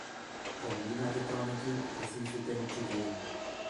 Konbinaketa honekin, ezin zuten hutsik egin.